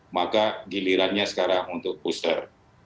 maka gilirannya sekarang untuk booster